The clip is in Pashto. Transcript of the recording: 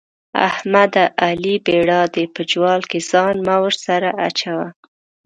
احمده؛ علي بېړا دی - په جوال کې ځان مه ورسره اچوه.